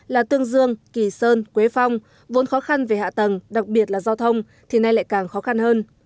là tương dương kỳ sơn quế phong vốn khó khăn về hạ tầng đặc biệt là giao thông thì nay lại càng khó khăn hơn